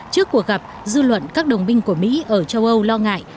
trước cuộc gặp dư luận các đồng minh của mỹ ở châu âu lo ngại